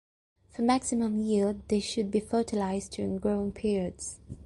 For maximum yield, they should be fertilized during growing periods.